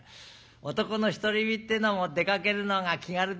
男の独り身っていうのも出かけるのが気軽でいいな。